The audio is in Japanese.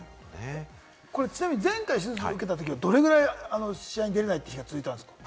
前回手術を受けたときはどれぐらい試合に出られない日が続いたんですか？